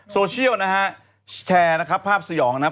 โซเชียลนะฮะแชร์นะครับภาพสยองนะครับ